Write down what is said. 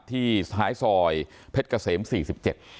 ที่ท้ายซอยเพชรเกษมสี่สิบเจ็ด